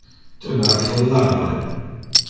Tu le affollava.